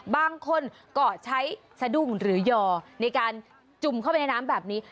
บางคนก็ใช้สะดุ้งหรือย่อในการจุ่มเข้าไปในน้ำแบบนี้